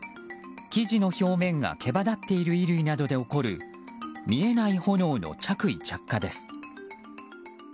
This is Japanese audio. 生地の表面が毛羽立っている衣類などで起こる見えない炎の着衣着火です。